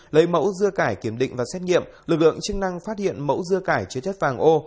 lấy mẫu dưa cải kiểm định và xét nghiệm lực lượng chức năng phát hiện mẫu dưa cải chứa chất vàng o